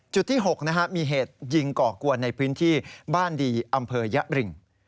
จุดที่๖มีเหตุยิงก่อกวนในพื้นที่บ้านดีอยะริง